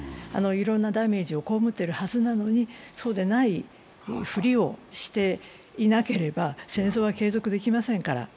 いろんなダメージを被っているはずなのに、そうでない振りをしていなければ戦争は継続できませんから。